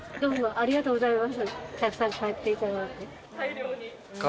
ありがとうございます。